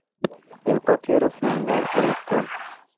El patio era similar al actual.